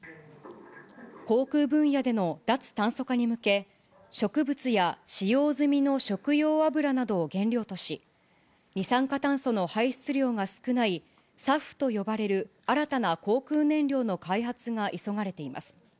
航空分野での脱炭素化に向け、植物や使用済みの食用油などを原料とし、二酸化炭素の排出量が少ない、サフと呼ばれる新たな航空燃料の開発が急がれています。